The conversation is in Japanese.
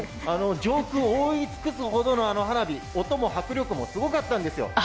上空を覆い尽くすほどの花火音も迫力もすごかったんです。